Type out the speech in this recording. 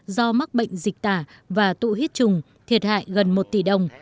do mắc bệnh dịch tả và tụ huyết trùng thiệt hại gần một tỷ đồng